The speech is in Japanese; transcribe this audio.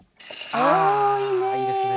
あいいですね。